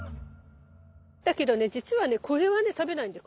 だけどねじつはねこれはね食べないんだよ